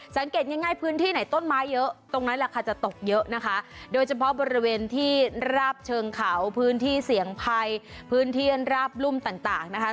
สังเกตง่ายพื้นที่ไหนต้นไม้เยอะตรงนั้นราคาจะตกเยอะนะคะโดยเฉพาะบริเวณที่ราบเชิงเขาพื้นที่เสี่ยงภัยพื้นที่ราบรุ่มต่างต่างนะคะ